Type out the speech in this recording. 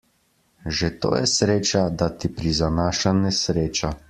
Že to je sreča, da ti prizanaša nesreča.